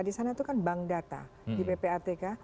di sana itu kan bank data di ppatk